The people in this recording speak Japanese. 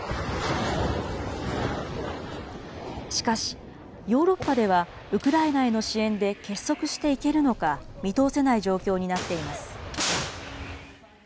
しかし、ヨーロッパではウクライナへの支援で結束していけるのか、見通せない状況になっています。